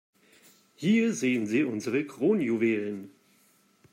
Hier sehen Sie unsere Kronjuwelen.